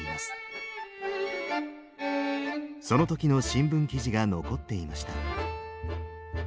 その時の新聞記事が残っていました。